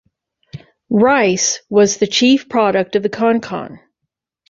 Rice was the chief product of the Konkan.